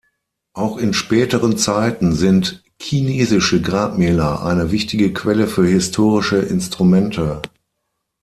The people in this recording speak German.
Auch in späteren Zeiten sind chinesische Grabmäler eine wichtige Quelle für historische Instrumente.